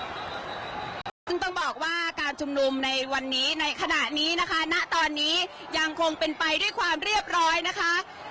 ซึ่งต้องบอกว่าการชุมนุมในวันนี้ในขณะนี้นะคะณตอนนี้ยังคงเป็นไปด้วยความเรียบร้อยนะคะ